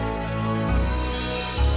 kalau ad timer harvey daniel saya eyes at hell